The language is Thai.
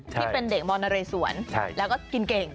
ที่เป็นเด็กมนเรสวนแล้วก็กินเก่ง